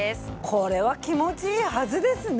これは気持ちいいはずですね。